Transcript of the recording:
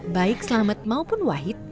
baik selamet maupun wahid